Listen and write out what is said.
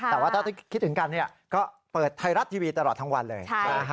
แต่ว่าถ้าคิดถึงกันก็เปิดไทยรัฐทีวีตลอดทั้งวันเลย